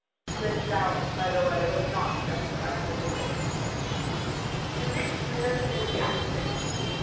This doubt, by the way, was not justified by results. "We reached Minnerton in the afternoon.